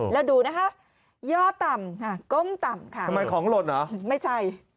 แล้วดูนะคะย่อต่ำค่ะก้มต่ำค่ะทำไมของหล่นเหรอไม่ใช่